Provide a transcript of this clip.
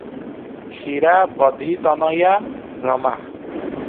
"କ୍ଷୀରାବଧିତନୟା Rama".